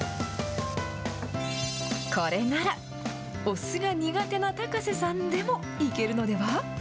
これなら、お酢が苦手な高瀬さんでもいけるのでは？